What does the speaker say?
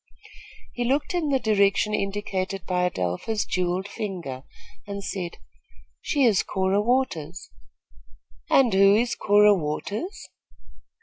He looked in the direction indicated by Adelpha's jewelled finger, and said: "She is Cora Waters." "And who is Cora Waters?"